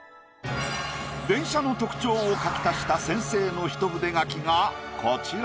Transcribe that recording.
電車の特徴を描き足した先生の一筆書きがこちら。